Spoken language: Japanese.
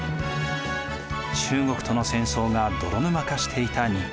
中国との戦争が泥沼化していた日本。